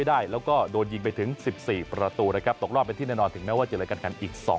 อันที่๖คะแนน